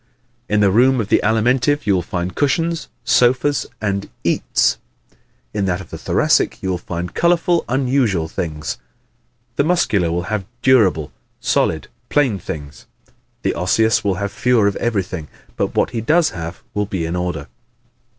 In the room of the Alimentive you will find cushions, sofas and "eats;" in that of the Thoracic you will find colorful, unusual things; the Muscular will have durable, solid, plain things; the Osseous will have fewer of everything but what he does have will be in order.